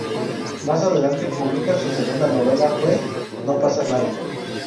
Más adelante publica su segunda novela fue "No pasa nada.